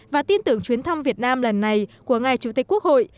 và tin tưởng chuyến thăm việt nam lần này của ngài chủ tịch quốc hội